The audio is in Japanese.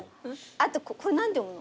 あとこれ何て読むの？